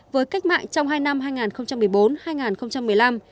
với cách mạng trong hai năm hai nghìn một mươi bốn hai nghìn một mươi năm